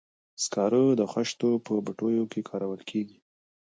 سکاره د خښتو په بټیو کې کارول کیږي.